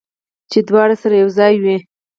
چې دواړه سره یو ځای وي